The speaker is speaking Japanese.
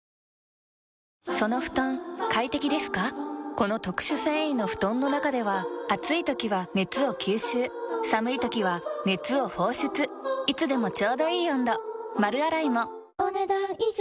この特殊繊維の布団の中では暑い時は熱を吸収寒い時は熱を放出いつでもちょうどいい温度丸洗いもお、ねだん以上。